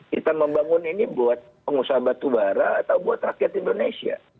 kita membangun ini buat pengusaha batubara atau buat rakyat indonesia